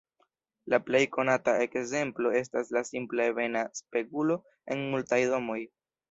La plej konata ekzemplo estas la simpla ebena spegulo en multaj domoj.